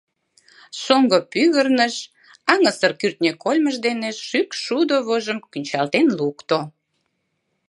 Шоҥго пӱгырныш, аҥысыр кӱртньӧ кольмыж дене шӱкшудо вожым кӱнчалтен лукто: